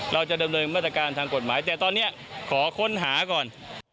เราจะดำเนินมาตรการทางกฎหมายแต่ตอนนี้ขอค้นหาก่อน